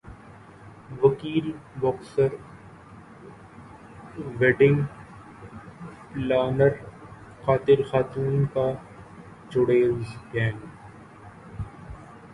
وکیل boxer wedding planner قاتل خاتون کا چڑیلز گینگ